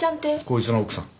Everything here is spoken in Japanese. こいつの奥さん。